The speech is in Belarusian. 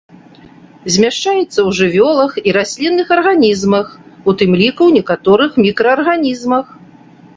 Змяшчаецца ў жывёлах і раслінных арганізмах, у тым ліку ў некаторых мікраарганізмах.